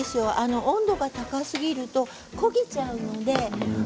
温度が高すぎると焦げてしまうので。